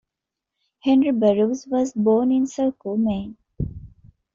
Henry Barrows was born in Saco, Maine.